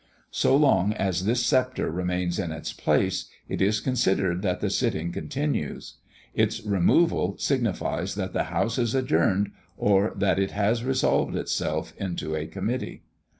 So long as this sceptre remains in its place, it is considered that the sitting continues; its removal signifies that the House is adjourned or that it has resolved itself into a committee.